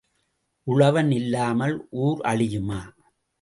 உளவன் இல்லாமல் ஊர் அழியுமா?